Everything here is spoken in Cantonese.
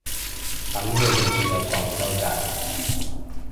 等會唔會有廣州嘅